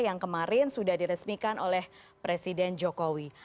yang kemarin sudah diresmikan oleh presiden jokowi